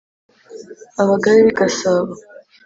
Abagabe b'i Gasabo,